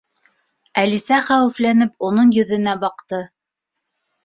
Әлисә хәүефләнеп, уның йөҙөнә баҡты.